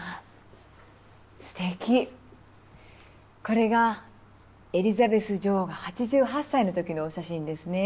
これがエリザベス女王が８８歳の時のお写真ですね。